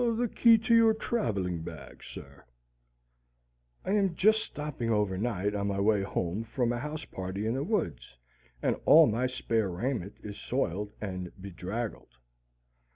"The key to your traveling bag, sir." I am just stopping overnight on my way home from a house party in the woods, and all my spare raiment is soiled and bedraggled.